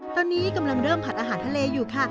ตอนนี้กำลังเริ่มผัดอาหารทะเลอยู่ค่ะ